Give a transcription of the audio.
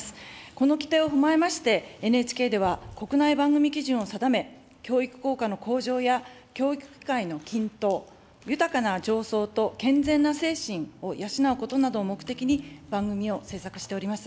この規定を踏まえまして、ＮＨＫでは、国内番組基準を定め、教育効果の向上や教育機会の均等、豊かな情操と健全な精神を養うことなどを目的に番組を制作しております。